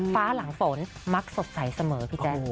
ฟ้าหลังฝนมักสดใสเสมอพี่แจ๊ค